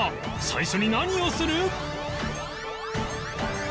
最初に何をする？